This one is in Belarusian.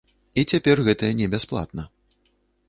І цяпер гэта не бясплатна.